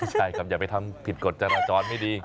ใช่ครับอย่าไปทำผิดกฎจราจรไม่ดี